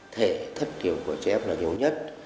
thể thất thiểu của trẻ em là nhiều nhất